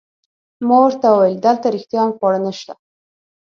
ما ورته وویل: دلته رښتیا هم خواړه نشته؟